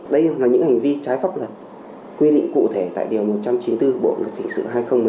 đây là những hành vi trái pháp luật quy định cụ thể tại điều một trăm chín mươi bốn bộ luật hình sự hai nghìn một mươi